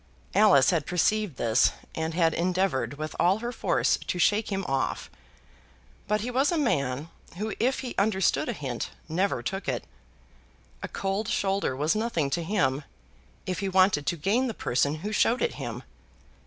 Alice had perceived this, and had endeavoured with all her force to shake him off; but he was a man, who if he understood a hint, never took it. A cold shoulder was nothing to him, if he wanted to gain the person who showed it him.